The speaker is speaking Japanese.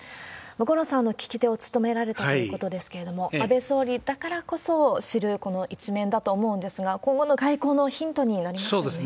五郎さん、聞き手を務められたということですけれども、安倍総理だからこそ知る、この一面だと思うんですが、今後の外交のヒントになりますよね。